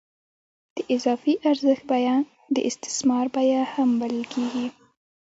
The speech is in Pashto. د اضافي ارزښت بیه د استثمار بیه هم بلل کېږي